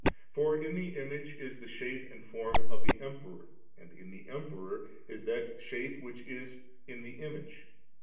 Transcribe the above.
For in the image is the shape and form of the Emperor, and in the Emperor is that shape which is in the image.